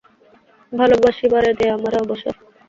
ভালোবাসিবারে দে আমারে অবসর।